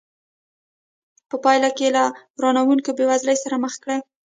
په پایله کې له ورانوونکې بېوزلۍ سره مخ کړ.